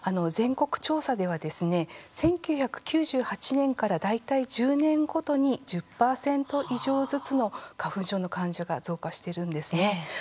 全国調査ではですね１９９８年から大体１０年ごとに１０％以上ずつの花粉症の患者が増加しているんですね。